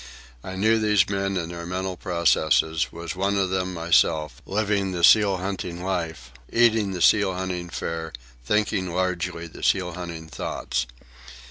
I knew these men and their mental processes, was one of them myself, living the seal hunting life, eating the seal hunting fare, thinking, largely, the seal hunting thoughts.